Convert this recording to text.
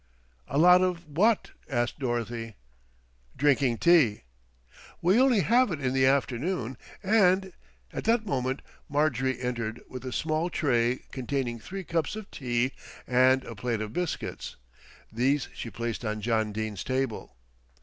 "A lot of what?" asked Dorothy. "Drinking tea." "We only have it in the afternoon, and " At that moment Marjorie entered with a small tray containing three cups of tea and a plate of biscuits. These she placed on John Dene's table.